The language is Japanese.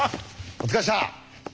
お疲れした！